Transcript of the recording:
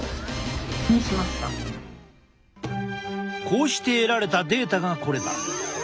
こうして得られたデータがこれだ。